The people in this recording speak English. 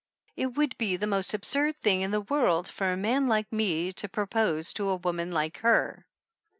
"It would be the most absurd thing in the world for a man like me to propose to a woman like her